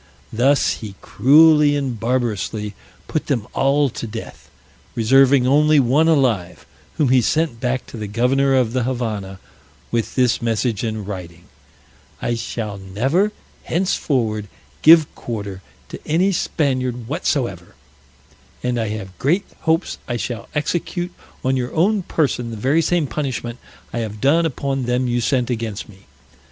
Thus he cruelly and barbarously put them all to death, reserving only one alive, whom he sent back to the governor of the Havannah, with this message in writing: "I shall never henceforward give quarter to any Spaniard whatsoever; and I have great hopes I shall execute on your own person the very same punishment I have done upon them you sent against me.